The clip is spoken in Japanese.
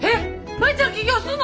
舞ちゃん起業すんの！？